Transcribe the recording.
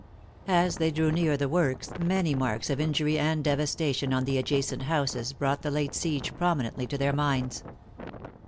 As they drew near the works, many marks of in jury and devastation on the adjacent houses, brought the late siege prominently to their minds.